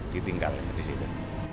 ditinggal di situ